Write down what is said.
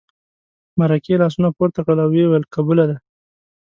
مرکې لاسونه پورته کړل او ویې ویل قبوله ده.